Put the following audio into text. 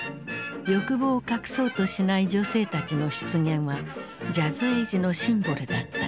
欲望を隠そうとしない女性たちの出現はジャズエイジのシンボルだった。